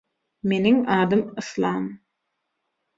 Meniň adym Yslam.